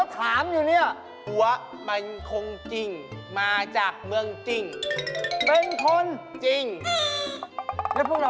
สำเนียงอย่างนี้มาจากไหน